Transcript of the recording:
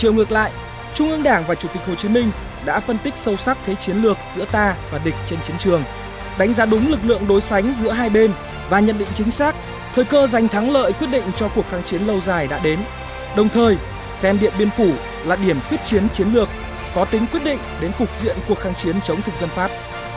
nguyên lực có tính quyết định đến cục diện cuộc kháng chiến chống thực dân pháp